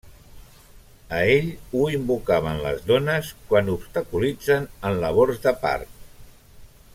A ell ho invocaven les dones quan obstaculitzen en labors de part.